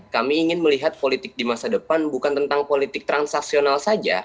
kami ingin melihat politik di masa depan bukan tentang politik transaksional saja